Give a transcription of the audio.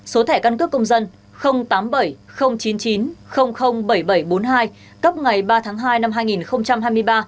số thẻ căn cước công dân tám mươi bảy chín mươi chín bảy nghìn bảy trăm bốn mươi hai cấp ngày ba tháng hai năm hai nghìn hai mươi ba